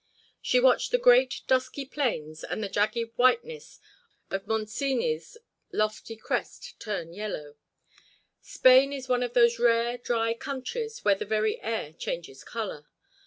She watched the great, dusky plains and the jagged whiteness of Montseny's lofty crest turn yellow. Spain is one of those rare, dry countries where the very air changes color.